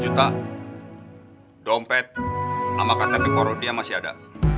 kumpet sama katemi porodia masih ada